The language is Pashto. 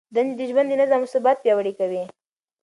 دندې د ژوند نظم او ثبات پیاوړی کوي.